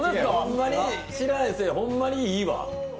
ほんまに、ええわ。